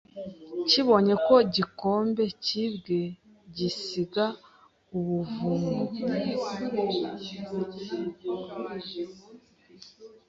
kibonye ko gikombe cyibwe gisiga ubuvumo